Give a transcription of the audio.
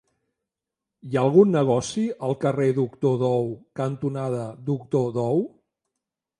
Hi ha algun negoci al carrer Doctor Dou cantonada Doctor Dou?